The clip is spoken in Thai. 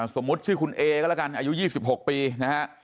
สมมุติชื่อคุณเอก็แล้วกันอายุ๒๖ปีนะฮะ